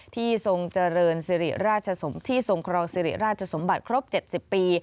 ที่ทรงกรองสิริราชสมบัติครบ๗๐ปี